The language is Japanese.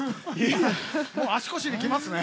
もう足腰にきますね